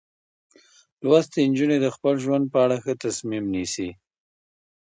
لوستې نجونې د خپل ژوند په اړه ښه تصمیم نیسي.